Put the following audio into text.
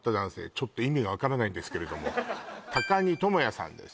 ちょっと意味が分からないんですけれども高荷智也さんです